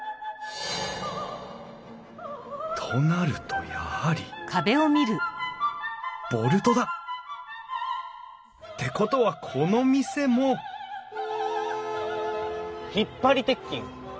となるとやはりボルトだ！ってことはこの店も引張鉄筋！